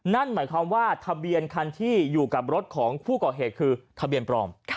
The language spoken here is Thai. นั่นหมายความว่าทะเบียนคันที่อยู่กับรถของผู้ก่อเหตุคือทะเบียนปลอม